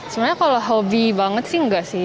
sebenarnya kalau hobi banget sih enggak sih